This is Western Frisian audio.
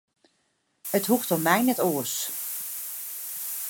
It hoecht om my net oars.